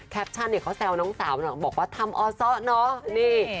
แปปชั่นเนี่ยเขาแซวน้องสาวบอกว่าทำอซ่อเนอะนี่